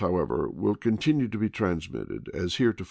however, will continue to be transmitted as hereto L, p.